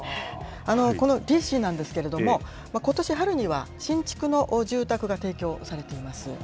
このリ氏なんですけれども、ことし春には新築の住宅が提供されています。